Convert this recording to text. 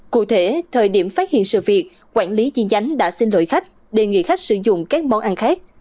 cụ thể thời điểm phát hiện sự việc quản lý chi nhánh đã xin lỗi khách đề nghị khách sử dụng các món ăn khác